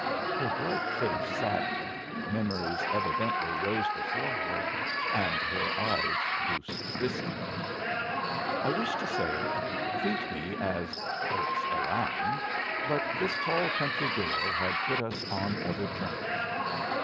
Her bright face saddened, memories evidently rose before her, and her eyes grew distant. I wished to say, "Treat me as 'folks around,'" but this tall country girl had put us on other terms.